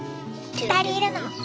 ２人いるの。